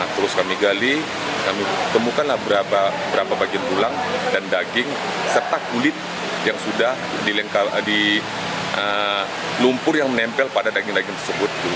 terus kami gali kami temukanlah berapa bagian tulang dan daging serta kulit yang sudah dilumpur yang menempel pada daging daging tersebut